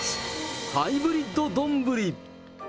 ハイブリッド丼。